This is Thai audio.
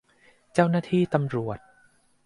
เจ้าหน้าที่ตำรวจ